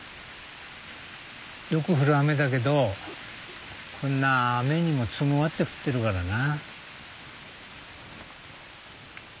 よく降る雨だけどこんな雨にも都合あって降ってるからな。